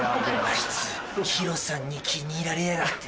あいつＨＩＲＯさんに気に入られやがって。